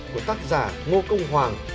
của tác giả ngô công hoàng